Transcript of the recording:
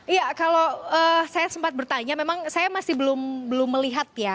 iya kalau saya sempat bertanya memang saya masih belum melihat ya